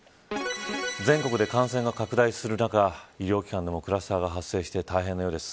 全国で感染が拡大する中医療機関でもクラスターが発生して大変なようです。